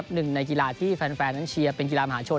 หนึ่งในกีฬาที่แฟนนั้นเชียร์เป็นกีฬามหาชน